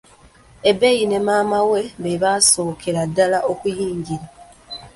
Ebei ne maama we be baasookera ddala okuyingira.